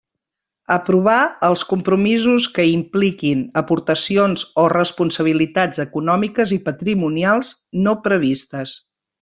Aprovar els compromisos que impliquin aportacions o responsabilitats econòmiques i patrimonials no previstes.